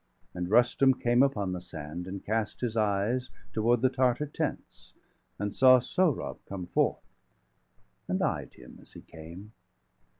And Rustum came upon the sand, and cast His eyes toward the Tartar tents, and saw 300 Sohrab come forth, and eyed him as he came.